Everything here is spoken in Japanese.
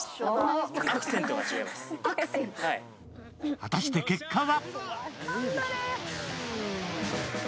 果たして結果は？